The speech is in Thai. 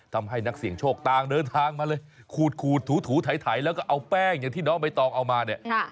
ทำให้นักเสี่ยงโชคต่างเดินทางมาเลยขูดถูไถแล้วก็เอาแป้งอย่างที่น้องใบตองเอามาเนี่ย